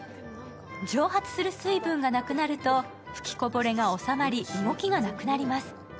蒸発する水分がなくなると、吹きこぼれが収まり、動きがなくなります。